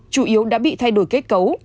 chủ yếu đã bị thay đổi kết cấu